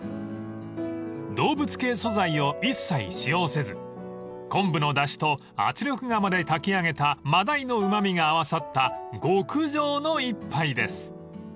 ［動物系素材を一切使用せず昆布のだしと圧力釜で炊き上げた真鯛のうま味が合わさった極上の一杯です］